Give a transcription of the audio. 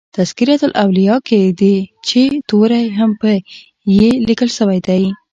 " تذکرةالاولیاء" کښي د "چي" توری هم په "ي" لیکل سوی دئ.